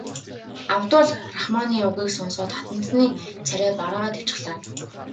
Абдул Рахманы үгийг сонсоод хатантны царай барайгаад явчихлаа.